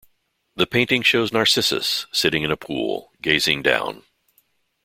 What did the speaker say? The painting shows Narcissus sitting in a pool, gazing down.